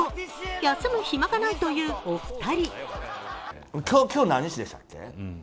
休む暇がないというお二人。